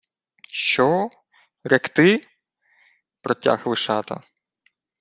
— Що... ректи? — протяг Вишата.